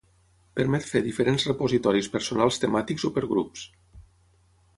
Permet fer diferents repositoris personals temàtics o per grups.